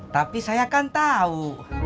tapi saya kan tau